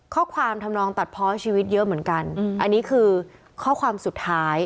ทำนองตัดเพาะชีวิตเยอะเหมือนกันอันนี้คือข้อความสุดท้าย